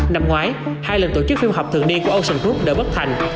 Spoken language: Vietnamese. năm ngoái hai lần tổ chức phim học thượng niên của ocean group đều bất thành